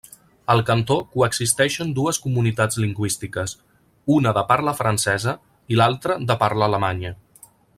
Al cantó coexisteixen dues comunitats lingüístiques, una de parla francesa i l'altra de parla alemanya.